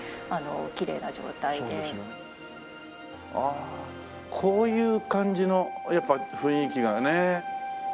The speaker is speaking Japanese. ああこういう感じのやっぱ雰囲気がね。